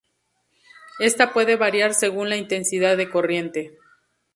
Ésta puede variar según la intensidad de corriente.